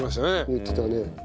言ってたね。